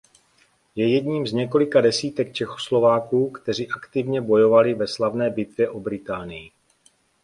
Je jedním z několika desítek Čechoslováků kteří aktivně bojovali ve slavné bitvě o Británii.